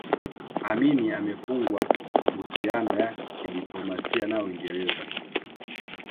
Amin amefungwa mahusiano ya kidiplomasia na Uingereza